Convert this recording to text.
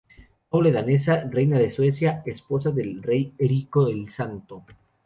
Noble danesa, reina de Suecia, esposa del rey Erico el Santo.